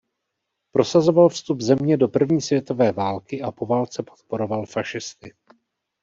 Prosazoval vstup země do první světové války a po válce podporoval fašisty.